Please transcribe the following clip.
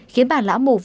khiến bà lão mù vanga